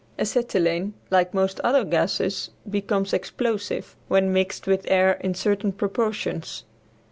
Acetylene, like most other gases, becomes explosive when mixed with air in certain proportions.